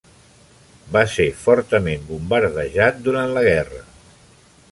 Va ser fortament bombardejat durant la guerra.